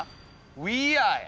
「ウィーアー」や！